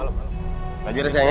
belajar ya sayang ya